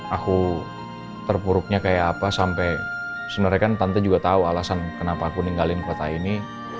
aku terpuruknya kayak apa sampai sebenarnya kan tante juga tahu alasan kenapa aku ninggalin kota ini